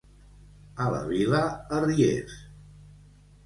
A la Vila, arriers.